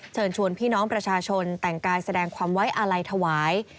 เชิญชวนพี่น้องประชาชนแต่งกายแสดงความไว้อาลัยถวาย